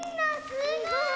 すごい！